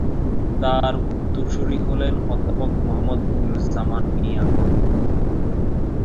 তার উত্তরসূরী হলেন অধ্যাপক মোহাম্মদ মনিরুজ্জামান মিঞা।